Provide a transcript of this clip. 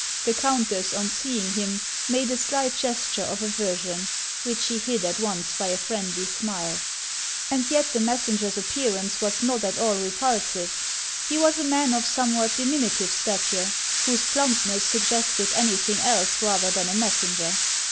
The countess on seeing him made a slight gesture of aversion, which she hid at once by a friendly smile. And yet the messenger's appearance was not at all re pulsive. He was a man of somewhat diminutive stature, whose plumpness suggested anything else rather than a messenger.